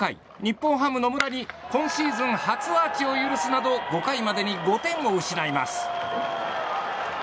今シーズン初アーチを許すなど５回までに５点を失います。